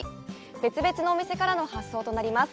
別々のお店からの発送となります。